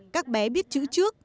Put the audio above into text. các bé biết chữ trước